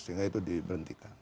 sehingga itu diberhentikan